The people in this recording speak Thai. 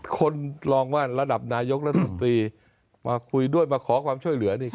คนลองว่าระดับนายกรัฐมนตรีมาคุยด้วยมาขอความช่วยเหลือนี่ครับ